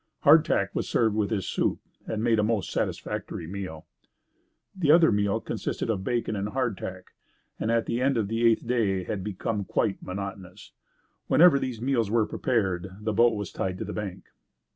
Hardtack was served with this soup and made a most satisfactory meal. The other meal consisted of bacon and hardtack and at the end of the eighth day, had become quite monotonous. Whenever these meals were prepared, the boat was tied to the bank.